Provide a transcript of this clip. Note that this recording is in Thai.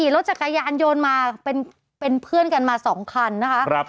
รถจักรยานโยนมาเป็นเพื่อนกันมา๒คันนะคะ